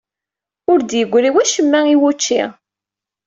Ur d-yeggri wacemma i wučči.